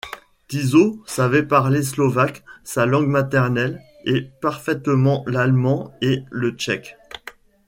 Tiso savait parler slovaque, sa langue maternelle, et parfaitement l'allemand, et le tchèque.